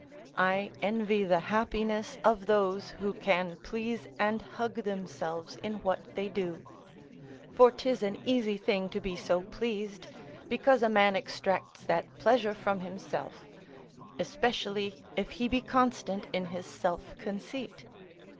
I envy the happiness of those who can please and hug themselves in what they do; for 'tis an easy thing to be so pleased, because a man extracts that pleasure from himself, especially if he be constant in his self conceit.